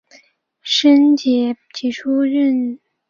申恬起初任骠骑将军刘道邻的长兼行参军。